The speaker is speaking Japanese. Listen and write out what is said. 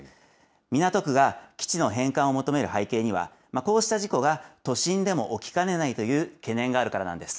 港区が基地の返還を求める背景には、こうした事故が都心でも起きかねないという懸念があるからなんです。